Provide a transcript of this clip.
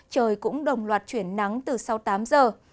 trời cũng đồng loạt chuyển nắng từ sau tám giờ